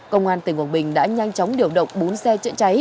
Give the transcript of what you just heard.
công an tỉnh quảng bình đã nhanh chóng điều động bốn xe chữa cháy